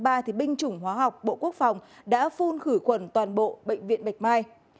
bệnh viện bạch mai bệnh viện bạch mai đã phun khử quần toàn bộ bệnh viện bạch mai